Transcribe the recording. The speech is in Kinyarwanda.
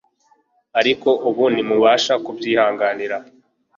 ariko ubu ntimubasha kubyihanganira.